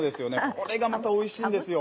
これがまたおいしいんですよ